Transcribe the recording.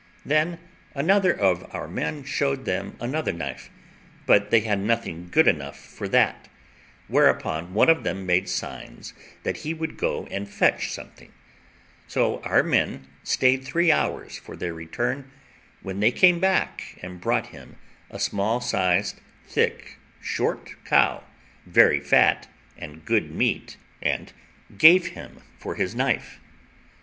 Then another of our men showed them another knife, but they had nothing good enough for that, whereupon one of them made signs that he would go and fetch something; so our men stayed three hours for their return, when they came back and brought him a small sized, thick, short cow, very fat and good meat, and gave him for his knife.